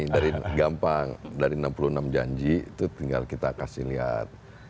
dari gampang dari enam puluh enam janji itu tinggal kita kasih lihat